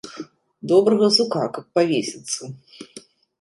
Добрага сука, каб павесіцца!